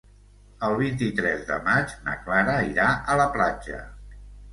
El vint-i-tres de maig na Clara irà a la platja.